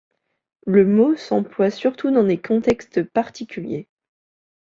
Le mot s'emploie surtout dans des contextes particuliers.